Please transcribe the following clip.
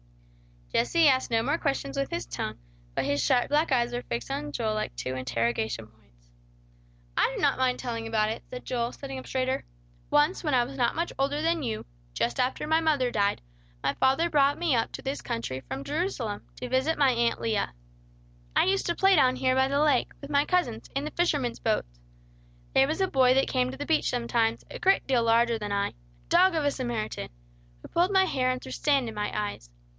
Jesse asked no more questions with his tongue; but his sharp, black eyes were fixed on Joel like two interrogation points. "I do not mind telling about it," said Joel, sitting up straighter. "Once when I was not much older than you, just after my mother died, my father brought me up to this country from Jerusalem, to visit my Aunt Leah. "I used to play down here by the lake, with my cousins, in the fishermen's boats. There was a boy that came to the beach sometimes, a great deal larger than I, a dog of a Samaritan, who pulled my hair and threw sand in my eyes.